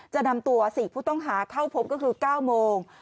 จะนำตัว๔ผู้ต้องหาเข้าพบก็คือ๙โมง